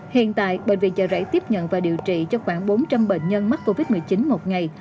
hiện tại bệnh viện chợ rẫy tiếp nhận và điều trị cho khoảng bốn trăm linh bệnh nhân mắc covid một mươi chín một ngày